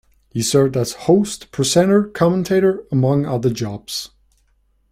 He served as host, presenter, commentator, among other jobs.